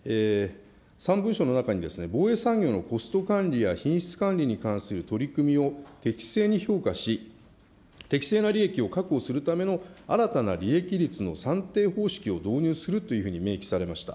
３文書の中に、防衛産業のコスト管理や品質管理に関する取り組みを適正に評価し、適正な利益を確保するための新たな利益率の算定方式を導入するというふうに明記されました。